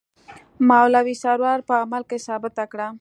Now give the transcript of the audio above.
مولوي سرور په عمل کې ثابته کړه.